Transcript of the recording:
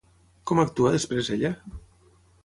Com actua després ella?